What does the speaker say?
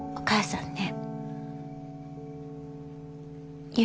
お母さん。